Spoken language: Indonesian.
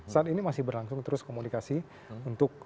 saat ini masih berlangsung terus komunikasi untuk